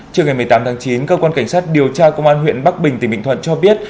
trưa ngày một mươi tám tháng chín cơ quan cảnh sát điều tra công an huyện bắc bình tỉnh bình thuận cho biết